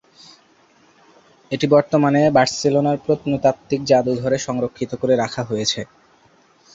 এটি বর্তমানে বার্সেলোনার প্রত্নতাত্ত্বিক জাদুঘরে সংরক্ষিত করে রাখা হয়েছে।